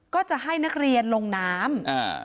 ก็จะให้นักเรียนลงน้ำ